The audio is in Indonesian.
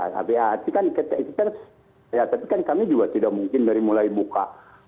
tapi arti kan kita ya tapi kan kami juga tidak mungkin dari mulai buka